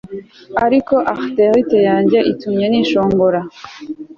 Ariko arthrite yanjye itumye nishongora